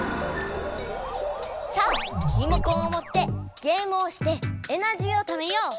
さあリモコンをもってゲームをしてエナジーをためよう！